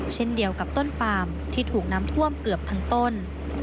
เช่นเดียวกับต้นปามที่ถูกน้ำท่วมเกือบทั้งต้น